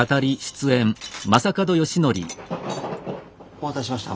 お待たせしました。